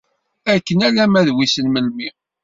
Akken alamma d wissen melmi.